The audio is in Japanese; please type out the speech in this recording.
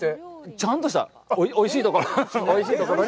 ちゃんとしたおいしいところ。